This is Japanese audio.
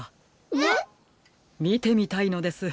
えっ？みてみたいのです。